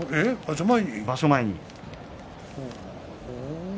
場所前に。